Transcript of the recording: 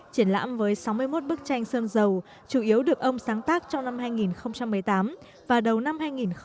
triển lãm với sáu mươi một bức tranh sơn dầu chủ yếu được ông sáng tác trong năm hai nghìn một mươi tám và đầu năm hai nghìn một mươi chín